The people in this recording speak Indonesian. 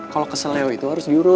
kalo kesel leo itu harus diurut